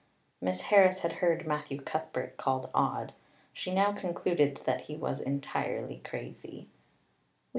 Miss Harris had heard Matthew Cuthbert called odd. She now concluded that he was entirely crazy.